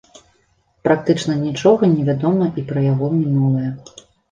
Практычна нічога не вядома і пра яго мінулае.